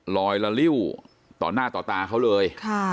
ละลิ้วต่อหน้าต่อตาเขาเลย